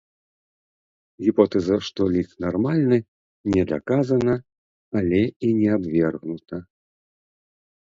Гіпотэза, што лік нармальны, не даказана, але і не абвергнута.